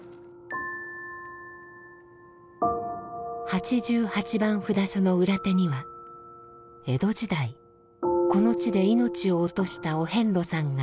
八十八番札所の裏手には江戸時代この地で命を落としたお遍路さんが眠っています。